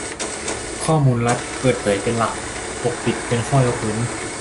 ข้อมูลรัฐ : เปิดเผยเป็นหลัก ปกปิดเป็นข้อยกเว้น